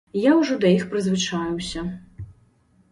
Я ўжо да іх прызвычаіўся.